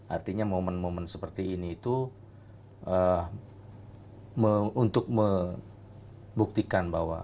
artinya momen momen seperti ini itu untuk membuktikan bahwa